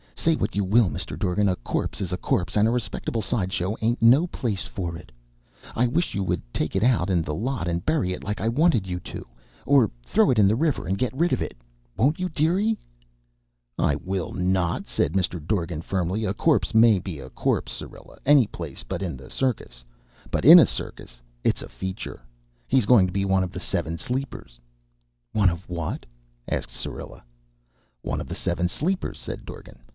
Say what you will, Mr. Dorgan, a corpse is a corpse, and a respectable side show ain't no place for it. I wish you would take it out in the lot and bury it, like I wanted you to, or throw it in the river and get rid of it. Won't you, dearie?" "I will not," said Mr. Dorgan firmly. "A corpse may be a corpse, Syrilla, any place but in a circus, but in a circus it is a feature. He's goin' to be one of the Seven Sleepers." "One of what?" asked Syrilla. "One of the Seven Sleepers," said Dorgan.